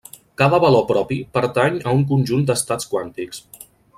Cada valor propi pertany a un conjunt d'estats quàntics.